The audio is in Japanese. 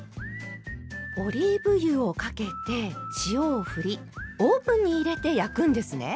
オリーブ油をかけて塩をふりオーブンに入れて焼くんですね。